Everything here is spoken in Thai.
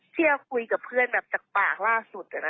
เชื่อคุยกับเพื่อนจากปากล่าสุด